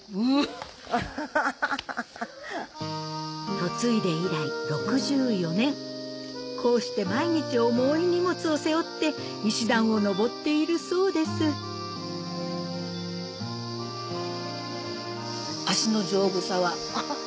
嫁いで以来６４年こうして毎日重い荷物を背負って石段を上っているそうですハハハ！